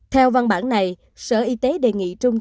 theo văn bản này sở y tế đề nghị trung ương